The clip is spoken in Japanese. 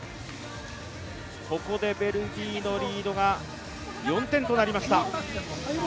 ここでベルギーのリードが４点となりました。